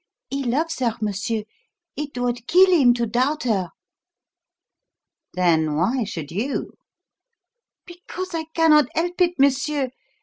He loves her, monsieur. It would kill him to doubt her." "Then why should you?" "Because I cannot help it, monsieur.